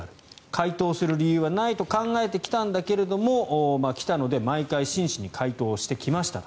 回答する理由はないと考えてきたのだけれど来たので毎回真摯に回答してきました。